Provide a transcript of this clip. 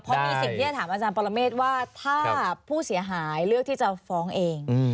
เพราะมีสิ่งที่จะถามอาจารย์ปรเมฆว่าถ้าผู้เสียหายเลือกที่จะฟ้องเอง